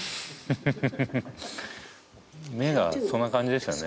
フフフフ目がそんな感じでしたよね